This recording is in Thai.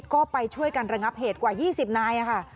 ก็ไปช่วยกันระงับเหตุกว่า๒๐นายค่ะ